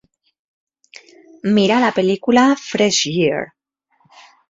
Mira la pel·lícula Fresh Gear.